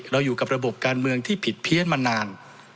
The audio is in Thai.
อยู่กับระบบการเมืองที่ผิดเพี้ยนมานาน